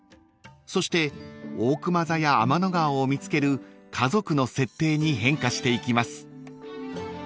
［そしておおくま座や天の川を見つける家族の設定に変化していきます］